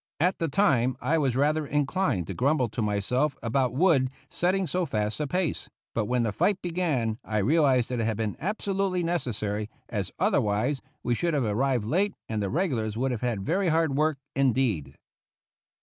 At the time I was rather inclined to grumble to myself about Wood setting so fast a pace, but when the fight began I realized that it had been absolutely necessary, as otherwise we should have arrived late and the regulars would have had very hard work indeed.